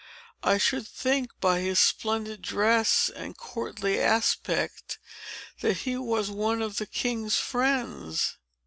"I should think, by his splendid dress and courtly aspect, that he was one of the king's friends."